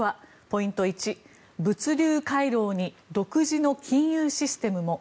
ポイント１、物流回廊に独自の金融システムも。